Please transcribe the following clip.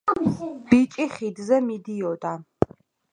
ბიჭი ხიდზე მიდიოდა